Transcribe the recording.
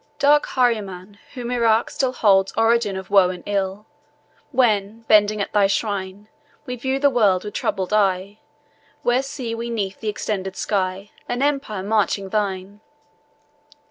Dark Ahriman, whom Irak still Holds origin of woe and ill! When, bending at thy shrine, We view the world with troubled eye, Where see we 'neath the extended sky, An empire matching thine!